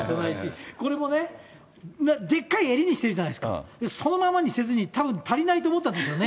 これもね、でっかい襟にしてるじゃないですか、そのままにせずに、たぶん足りないと思ったんでしょうね。